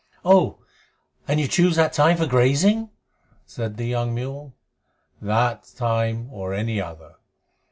"Oh! And you choose that time for grazing?" said the young mule. "That time or any other.